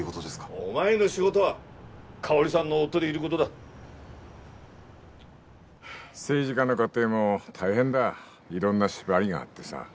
お前の仕事は香織さんの夫でいることだ・政治家の家庭も大変だ色んな縛りがあってさ